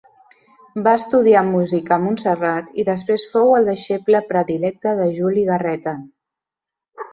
Va estudiar música a Montserrat i després fou el deixeble predilecte de Juli Garreta.